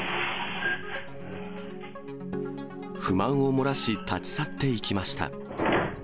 不満を漏らし立ち去っていきました。